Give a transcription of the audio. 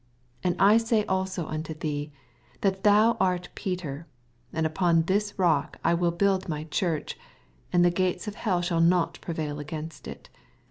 18 And I say also unto thee, That thou art Peter, and upon this rook I will build my Church j and the ^atea of hell shall not prevail against it.